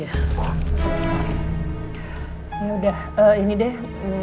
ya udah ini deh